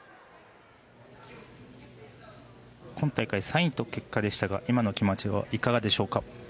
今大会３位と結果でしたが今の気持ちはいかがでしょうか？